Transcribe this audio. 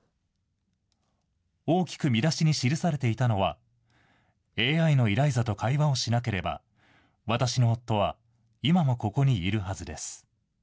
大きく見出しに記されていたのは、ＡＩのイライザと会話をしなければ、私の夫は今もここにいるはずです。